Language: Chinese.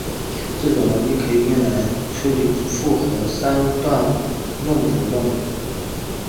这种逻辑可以用来处理复合三段论悖论。